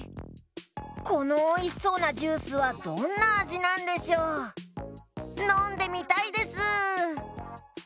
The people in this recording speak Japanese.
このおいしそうなジュースはどんなあじなんでしょう？のんでみたいです！